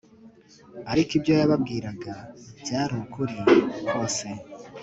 ariko ibyo yababwiraga byari ukuri kose